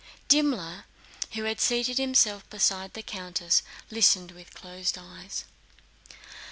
Dimmler, who had seated himself beside the countess, listened with closed eyes.